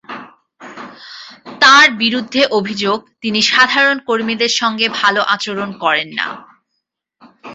তাঁর বিরুদ্ধে অভিযোগ, তিনি সাধারণ কর্মীদের সঙ্গে ভালো আচরণ করেন না।